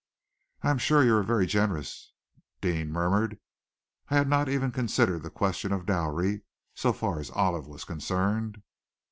"I am sure you are very generous," Deane murmured. "I had not even considered the question of dowry so far as Olive was concerned."